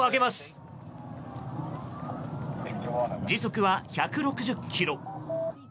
時速は１６０キロ。